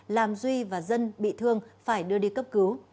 làm duy và dân bị thương phải đưa đi cấp cứu